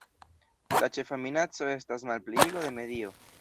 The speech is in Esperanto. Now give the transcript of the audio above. La ĉefa minaco estas malpliigo de medio.